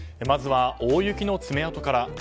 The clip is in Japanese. まずは大雪の爪痕から。